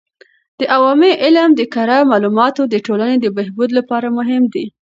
د عوامي علم د کره معلوماتو د ټولنې د بهبود لپاره مهم دی.